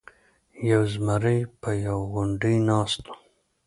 یو زمری په یوه غونډۍ ناست و.